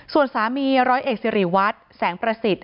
ส่วนสามีร้อยเอกสิริวัตรแสงประสิทธิ์